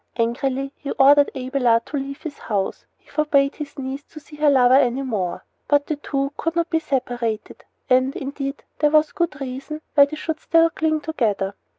Angrily he ordered Abelard to leave his house. He forbade his niece to see her lover any more. But the two could not be separated; and, indeed, there was good reason why they should still cling together.